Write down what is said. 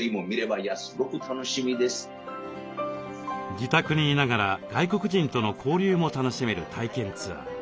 自宅に居ながら外国人との交流も楽しめる体験ツアー。